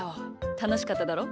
たのしかっただろ？